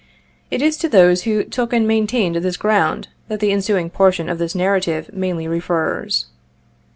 It is to those who took and maintained this ground that the en suing portion of this narrative mainly refers.